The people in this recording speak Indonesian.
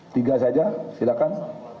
tiga saja silakan